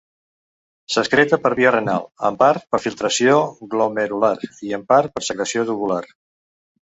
S'excreta per via renal, en part per filtració glomerular i en part per secreció tubular.